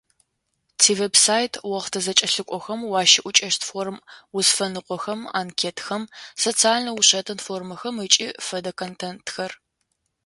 Тивеб-сайт охътэ зэкӏэлъыкӏохэм уащыӏукӏэщт форм-узфэныкъохэм, анкетхэм, социальнэ ушэтын формэхэм ыкӏи фэдэ контентхэр.